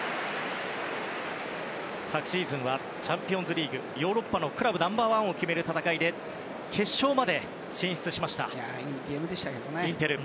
昨シーズンはチャンピオンズリーグヨーロッパのクラブナンバー１を決める戦いで決勝まで進出しましたインテル。